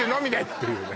っていうね